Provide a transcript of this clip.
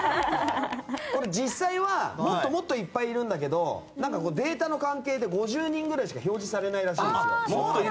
実際はもっともっといっぱいいるんだけどデータの関係で５０人ぐらいしか表示されないらしいんですよ。